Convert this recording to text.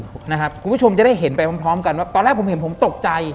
คุณผู้ชมจะได้เห็นไปพร้อมกันว่าตอนแรกผมเห็นผมตกใจ